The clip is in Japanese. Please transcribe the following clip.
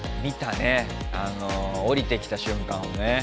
見たねおりてきた瞬間をね。